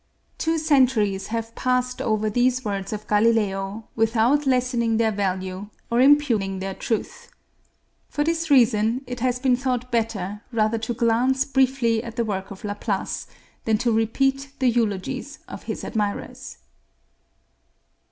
Two centuries have passed over these words of Galileo without lessening their value or impugning their truth. For this reason, it has been thought better rather to glance briefly at the work of Laplace than to repeat the eulogies of his admirers.